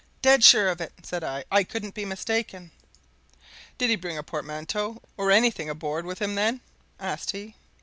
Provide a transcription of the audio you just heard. "Dead sure of it!" said I. "I couldn't be mistaken." "Did he bring a portmanteau or anything aboard with him, then?" asked he.